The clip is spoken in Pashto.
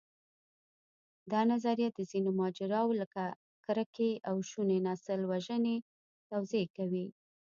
دا نظریه د ځینو ماجراوو، لکه کرکې او شونې نسلوژنې توضیح کوي.